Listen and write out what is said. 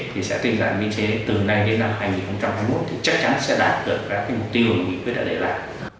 thì sẽ tinh giảm biên chế từ nay đến năm hai nghìn hai mươi một thì chắc chắn sẽ đạt được các mục tiêu mà mình quyết định để làm